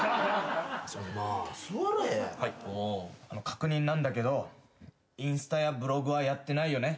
確認なんだけどインスタやブログはやってないよね？